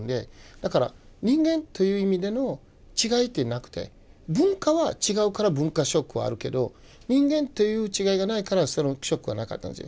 だから人間という意味での違いってなくて文化は違うから文化ショックはあるけど人間という違いがないからそのショックはなかったんですよ。